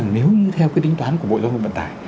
nếu theo tính toán của bộ doanh nghiệp vận tải